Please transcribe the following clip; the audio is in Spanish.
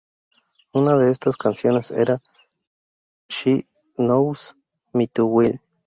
Una de estas canciones era "She Knows Me Too Well".